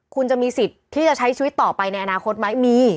คุณจะมีสิทธิ์ที่จะใช้ชีวิตต่อไปในอนาคตไหมมี